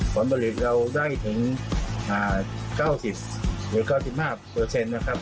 ผลผลิตเราได้ถึง๙๐หรือ๙๕นะครับ